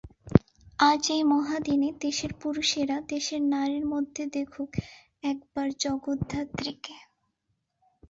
আজ এই মহাদিনে দেশের পুরুষেরা দেশের নারীর মধ্যে দেখুক একবার জগদ্ধাত্রীকে।